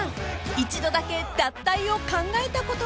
［一度だけ脱退を考えたことがあるそうで］